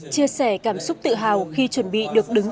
chia sẻ cảm xúc tự hào khi chuẩn bị được đứng